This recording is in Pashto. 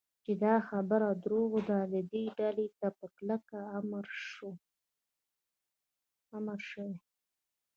چې دا خبره دروغ ده، دې ډلې ته په کلکه امر شوی و.